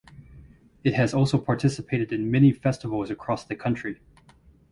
It has also participated in many festivals across the country.